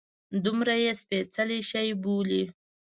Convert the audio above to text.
دومره یې سپیڅلی شي بولي.